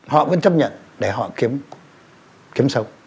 họ vẫn chấp nhận để họ kiếm sống